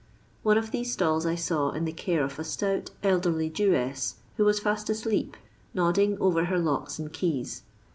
One of these stalls I saw in the care of a stout elderly Jewess, who was ^t asleep, nodding over her locks and keys.